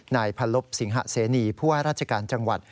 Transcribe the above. นายพันลบสิงหะเสนีผู้ว่าราชการจังหวัด